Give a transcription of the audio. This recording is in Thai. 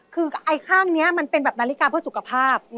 คือไอ้ข้างนี้มันเป็นแบบนาฬิกาเพื่อสุขภาพ